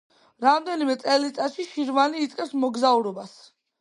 რამდენიმე წელიწადში შირვანი იწყებს მოგზაურობას.